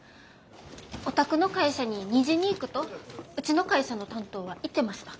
お宅の会社に２時に行くとうちの会社の担当は言ってました。